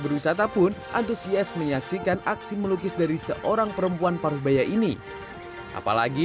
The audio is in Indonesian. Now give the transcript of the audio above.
berwisata pun antusias menyaksikan aksi melukis dari seorang perempuan paruh baya ini apalagi